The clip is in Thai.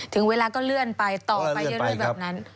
ถึงเวลาก็เลื่อนไปต่อไปเรื่อยแบบนั้น